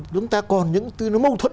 chúng ta còn những tư nó mâu thuẫn